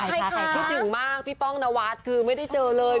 คิดถึงมากพี่ป้องนวัดคือไม่ได้เจอเลย